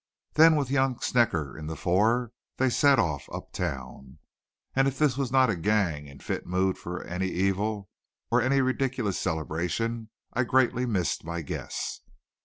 Then with young Snecker in the fore they set off up town; and if this was not a gang in fit mood for any evil or any ridiculous celebration I greatly missed my guess.